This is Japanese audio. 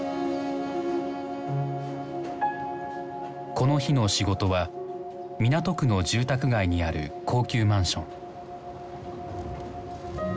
この日の仕事は港区の住宅街にある高級マンション。